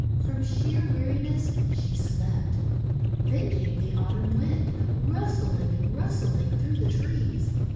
From sheer weariness she slept. Then came the Autumn Wind, rustling and rustling through the trees.